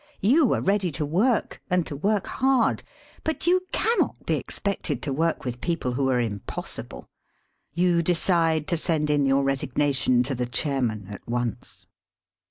You are ready to work, and to work hard, but you can not be expected to work with people who are im possible. You decide to send in your resignation to the Chairman at once.